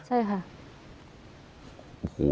ใช่ค่ะ